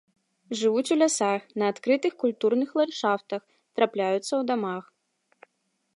Жывуць у лясах, на адкрытых культурных ландшафтах, трапляюцца ў дамах.